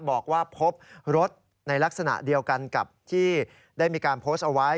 บอกว่าพบรถในลักษณะเดียวกันกับที่ได้มีการโพสต์เอาไว้